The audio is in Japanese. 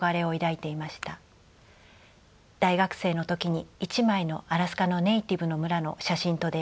大学生の時に一枚のアラスカのネイティブの村の写真と出会い